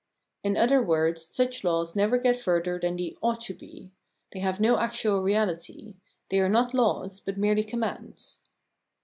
In other words, such laws never get further than the "ought to be," they have no actual reality; they are not laws, but merely commands.